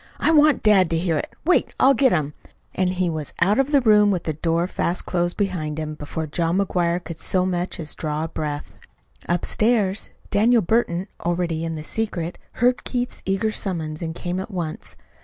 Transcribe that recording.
I want dad to hear it. Wait, I'll get him." And he was out of the room with the door fast closed behind him before John McGuire could so much as draw a breath. Upstairs, Daniel Burton, already in the secret, heard Keith's eager summons and came at once.